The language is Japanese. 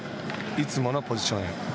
いつものポジションへ。